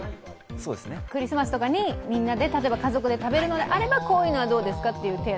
クリスマスとかにみんなで例えば家族で食べるとしたらこういうのはどうですかという提案。